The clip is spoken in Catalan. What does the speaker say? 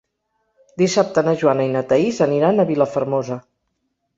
Dissabte na Joana i na Thaís aniran a Vilafermosa.